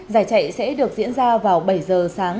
giải chạy sẽ được diễn ra vào bảy giờ sáng